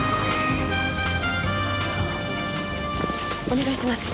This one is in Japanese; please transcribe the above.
お願いします。